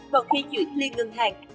còn khi chuyển liên ngân hàng